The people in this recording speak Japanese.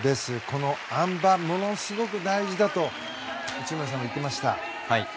このあん馬、ものすごく大事だと内村さん、言っていました。